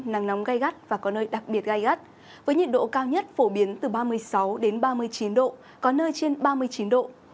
nắng nóng gai gắt và có nơi đặc biệt gai gắt với nhiệt độ cao nhất phổ biến từ ba mươi sáu ba mươi chín độ có nơi trên ba mươi chín độ